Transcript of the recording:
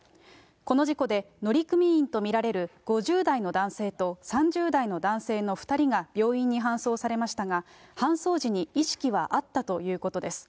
この事故で乗組員と見られる５０代の男性と３０代の男性の２人が病院に搬送されましたが、搬送時に意識はあったということです。